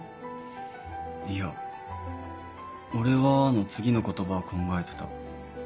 いや「俺は」の次の言葉を考えてた。